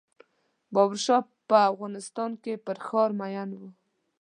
بابر شاه په افغانستان کې پر ښار مین و.